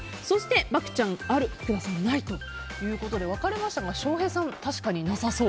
漠ちゃん、ある福田さんないということで分かれましたが翔平さんは確かになさそう。